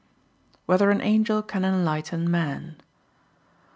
1] Whether an Angel Can Enlighten Man?